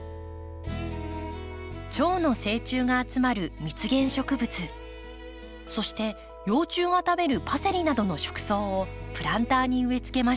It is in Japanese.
チョウの成虫が集まる蜜源植物そして幼虫が食べるパセリなどの食草をプランターに植えつけました。